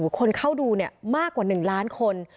คนเข้าดูมากกว่า๑ล้านคน